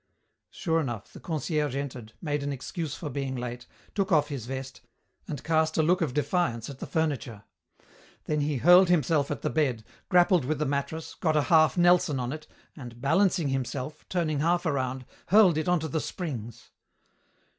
Sure enough, the concierge entered, made an excuse for being late, took off his vest, and cast a look of defiance at the furniture. Then he hurled himself at the bed, grappled with the mattress, got a half Nelson on it, and balancing himself, turning half around, hurled it onto the springs.